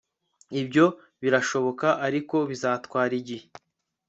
Ibyo birashoboka ariko bizatwara igihe